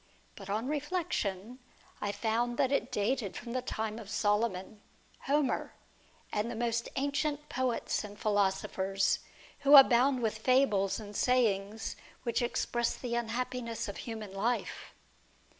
But, on reflection, I found that it dated from the time of Solomon, Homer, and the most ancient poets and philosophers, who abound with fables and sayings which express the unhappiness of human life.